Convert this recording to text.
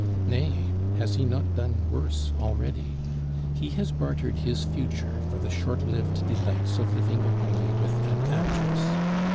Nay, has he not done worse already? He has bartered his future for the short lived delights of living openly with an actress.